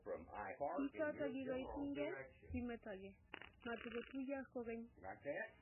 Biichoto kigagotunge kimetogee, matugotuiyo kogeny